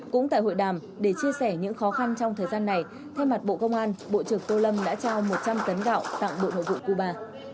cũng tại hội đàm để chia sẻ những khó khăn trong thời gian này thay mặt bộ công an bộ trưởng tô lâm đã trao một trăm linh tấn gạo tặng bộ nội vụ cuba